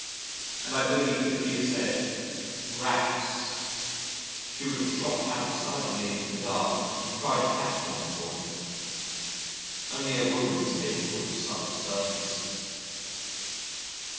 And I believe if he had said "Rats," she would have shot out silently into the dark and tried to catch one for him. Only a woman is capable of such service.